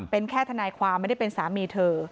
เป็นแค่ทนายความไม่ได้เป็นสามีเธอ